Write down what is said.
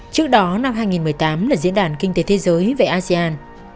trước đó năm hai nghìn một mươi tám là diễn đàn kinh tế thế giới về asean